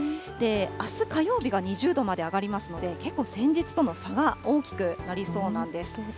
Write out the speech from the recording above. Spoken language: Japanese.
あす火曜日が２０度まで上がりますので、結構前日との差が大きくなりそうなんです。